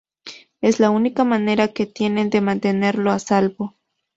Es la única manera que tienen de mantenerlo a salvo.